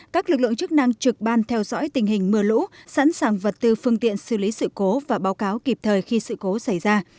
các lực lượng chức năng trực ban theo dõi tình hình mưa lũ sẵn sàng vật tư phương tiện xử lý sự cố và báo cáo kịp thời khi sự cố xảy ra